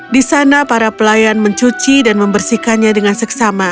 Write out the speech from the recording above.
di sana para pelayan mencuci dan membersihkannya dengan seksama